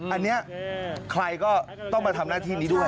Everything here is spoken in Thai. อันนี้ใครก็ต้องมาทำหน้าที่นี้ด้วย